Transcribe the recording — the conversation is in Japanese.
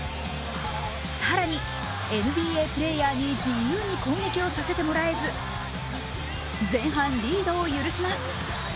更にＮＢＡプレーヤーに自由に攻撃をさせてもらえず前半リードを許します。